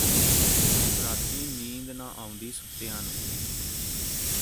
ਰਾਤੀ ਨੀਂਦ ਨਾ ਆਉਂਦੀ ਸੁੱਤਿਆਂ ਨੂੰ